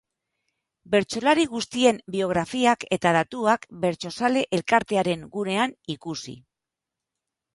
Bertsolari guztien biografiak eta datuak Bertsozale elkartearen gunean ikusi.